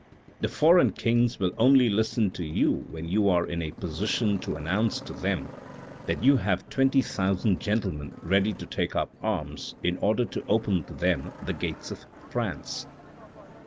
" The foreign kings will only listen to you when you are in a position to announce to them that you have twenty thousand gentlemen ready to take up arms in order to open to them the gates of France.